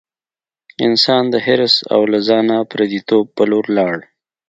انسان د حرص او له ځانه پردیتوب په لور لاړ.